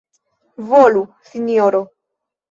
Volu, sinjoro.